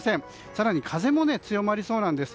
更に風も強まりそうなんです。